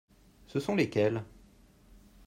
Ce sont lesquels ?